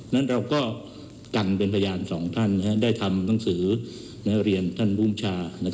นั้นเราก็กันเป็นพยานสองท่านได้ทำหนังสือเรียนท่านภูมิชา